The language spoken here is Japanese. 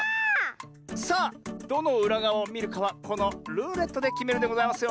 さあどのうらがわをみるかはこのルーレットできめるんでございますよ。